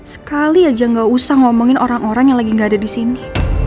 sekali aja gak usah ngomongin orang orang yang lagi nggak ada di sini